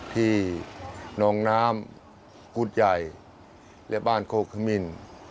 น้องน้ำกุฎใหญ่และบ้านโคกขมิ้น